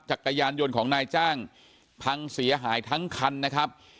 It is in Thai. จักรยานยนต์ของนายจ้างพังเสียหายทั้งคันนะครับ